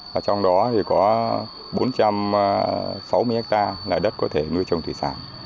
và trong đó có bốn trăm sáu mươi ha là đất có thể nuôi trồng thủy sản